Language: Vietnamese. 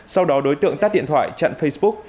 sau đó đối tượng tắt điện thoại chặn facebook